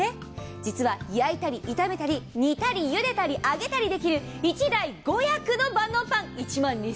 実は焼いたり炒めたり煮たり揚げたりできる１台５役の万能パン。